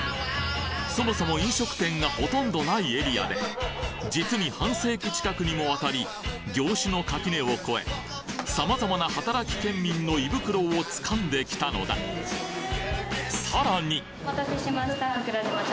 そもそも飲食店がほとんどないエリアで実に半世紀近くにもわたり業種の垣根を越え様々な働きケンミンの胃袋をつかんできたのださらにお待たせしました。